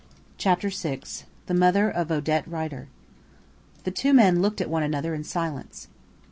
CHAPTER VI THE MOTHER OF ODETTE RIDER The two men looked at one another in silence.